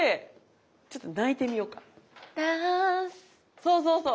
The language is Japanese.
そうそうそう。